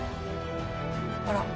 あら。